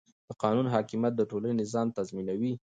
د قانون حاکمیت د ټولنې نظم تضمینوي